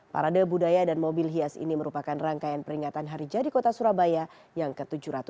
parade budaya dan mobil hias ini merupakan rangkaian peringatan hari jadi kota surabaya yang ke tujuh ratus dua puluh